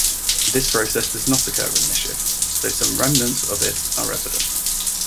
This process does not occur in Michif, though some remnants of it are evident.